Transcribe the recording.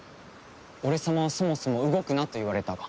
俺様はそもそも動くなと言われたが。